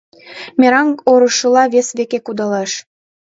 Мераҥ орышыла вес веке кудалеш.